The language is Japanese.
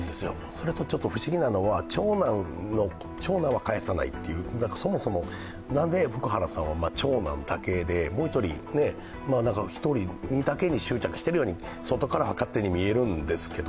それとちょっと不思議なのは長男は返さないっていうそもそもなぜ福原さんは長男だけで、１人だけに執着しているように外からは勝手に見えるんですけど。